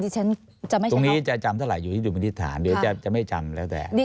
ตรงนี้จะจำเท่าไหร่อยู่ที่ดุมนิษฐานเดี๋ยวจะไม่จำแล้วแต่